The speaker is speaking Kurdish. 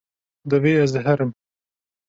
Divê ez herim.